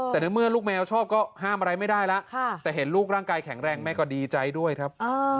แต่ในเมื่อลูกแมวชอบก็ห้ามอะไรไม่ได้แล้วแต่เห็นลูกร่างกายแข็งแรงแม่ก็ดีใจด้วยครับ